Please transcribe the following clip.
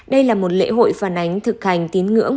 đây là một lễ hội phản ánh thực hành tín ngưỡng